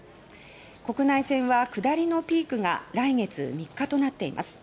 国内線は下りのピークが来月３日となっています。